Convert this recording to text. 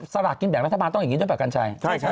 สลัดกินแบบรัฐบาลต้องอย่างนี้ด้วยแบบกันใช่